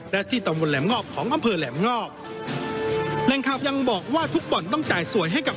และที่ตำบลแหลมงอกของอำเภอแหลมงอกแหล่งข่าวยังบอกว่าทุกบ่อนต้องจ่ายสวยให้กับ